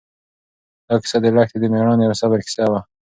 دا کیسه د لښتې د مېړانې او صبر کیسه وه.